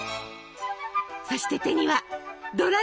そして手にはドラやき！